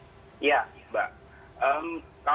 kalau kita lihat beberapa waktu lalu kami lihat yang